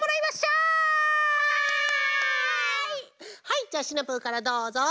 はいじゃあシナプーからどうぞ。